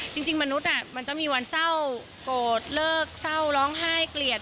จริงมนุษย์มันจะมีวันเศร้าโกรธเลิกเศร้าร้องไห้เกลียด